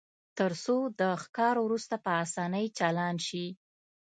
ترڅو د ښکار وروسته په اسانۍ چالان شي